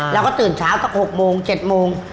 เราก็ตื่นเช้าตั้ง๖โมง๗โมง